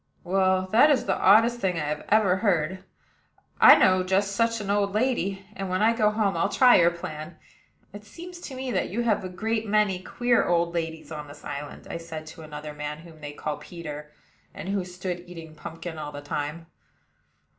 "Well, that is the oddest thing I ever heard. I know just such an old lady, and when I go home I'll try your plan. It seems to me that you have a great many queer old ladies on this island," I said to another man, whom they called Peter, and who stood eating pumpkin all the time.